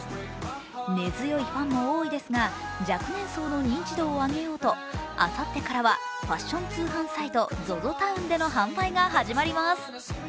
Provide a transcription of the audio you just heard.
根強いファンも多いですが若年層の認知度を上げようとあさってからはファッション通販サイト、ＺＯＺＯＴＯＷＮでの販売が始まります。